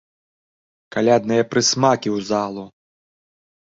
Калядныя прысмакі ў залу!